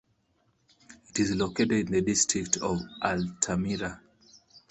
It is located in the district of Altamira.